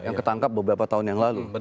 yang ketangkap beberapa tahun yang lalu